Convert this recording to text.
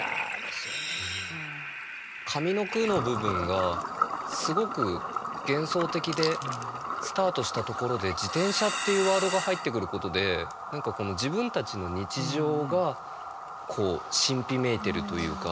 上の句の部分がすごく幻想的でスタートしたところで「自転車」っていうワードが入ってくることで何かこの自分たちの日常が神秘めいてるというか。